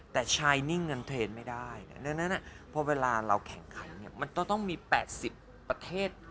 แต่ชายนิ่งเงินเทรนด์ไม่ได้ดังนั้นพอเวลาเราแข่งขันเนี่ยมันต้องมี๘๐ประเทศ